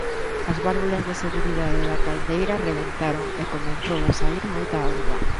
As válvulas de seguridade da caldeira rebentaron e comezou a saír moita auga.